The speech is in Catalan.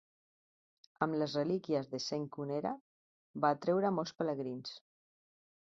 Amb les relíquies de Saint Cunera, va atreure molts pelegrins.